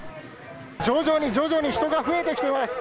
徐々に徐々に人が増えてきています。